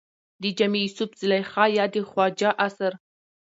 د جامي يوسف زلېخا يا د خواجه اثر